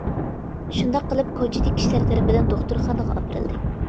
شۇنداق قىلىپ كوچىدىكى كىشىلەر تەرىپىدىن دوختۇرخانىغا ئاپىرىلدى.